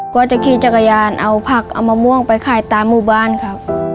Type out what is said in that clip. ก็จะขี่จักรยานเอาผักเอามะม่วงไปขายตามหมู่บ้านครับ